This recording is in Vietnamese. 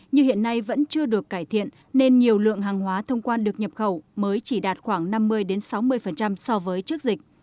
nhưng hiện nay vẫn chưa được cải thiện nên nhiều lượng hàng hóa thông quan được nhập khẩu mới chỉ đạt khoảng năm mươi sáu mươi so với trước dịch